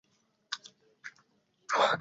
পদ্মকে তুলিতে গেলে পঙ্ক উঠিয়া পড়ে।